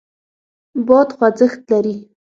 باد خوځښت لري.